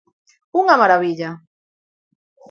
Unha marabilla.